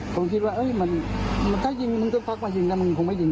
ผมคิดว่าถ้ายิงมันก็พักมายิงแต่มันคงไม่ยิงหรอกมันพักกว่า๓ครั้งแล้วไม่ยิง